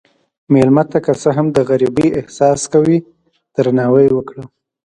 مېلمه ته که څه هم د غریبۍ احساس کوي، درناوی ورکړه.